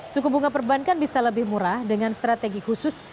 suku bunga perbankan bisa lebih murah dengan strategi khusus